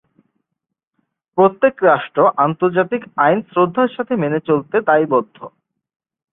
প্রত্যেক রাষ্ট্র আন্তর্জাতিক আইন শ্রদ্ধার সাথে মেনে চলতে দায়বদ্ধ।